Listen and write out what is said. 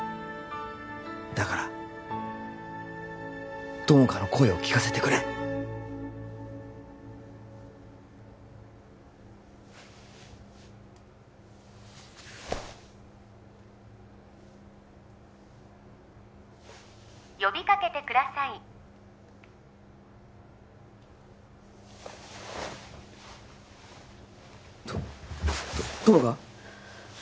だから友果の声を聞かせてくれっ呼びかけてくださいとと友果？